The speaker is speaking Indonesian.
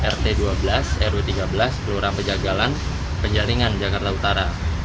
rt dua belas rw tiga belas kelurahan pejagalan penjaringan jakarta utara